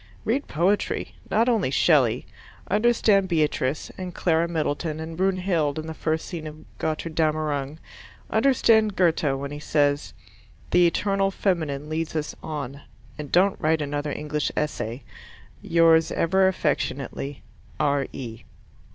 Read poetry not only Shelley. Understand Beatrice, and Clara Middleton, and Brunhilde in the first scene of Gotterdammerung. Understand Goethe when he says "the eternal feminine leads us on," and don't write another English Essay. Yours ever affectionately, R.E.